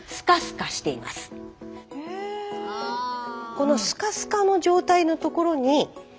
このスカスカの状態のところに。